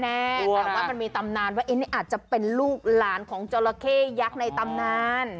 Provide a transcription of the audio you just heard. แต่ว่ามันมีตำนานว่านี่อาจจะเป็นลูกหลานของจราเข้ยักษ์ในตำนาน